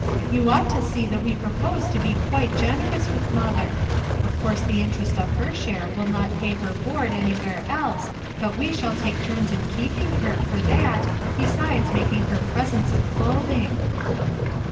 You ought to see that we propose to be quite generous with mother. Of course the interest of her share will not pay her board anywhere else, but we shall take turns in keeping her, for that, besides making her presents of clothing."